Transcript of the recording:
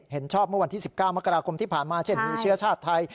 เห็นชอบเมื่อวันที่๑๙มกราคมที่ผ่านมาเช่นมีเชื้อชาติไทย